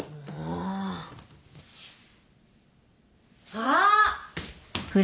あっ！